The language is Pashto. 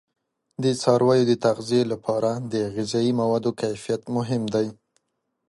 د څارویو د تغذیه لپاره د غذایي موادو کیفیت مهم دی.